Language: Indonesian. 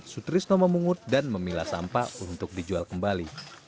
sutrisno memungut dan memilah sampah untuk dijual kembali